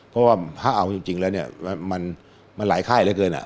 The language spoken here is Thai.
เพราะว่าถ้าเอาจริงแล้วมันลายค่ายละเกิน